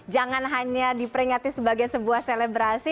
jangan hanya diperingati sebagai sebuah selebrasi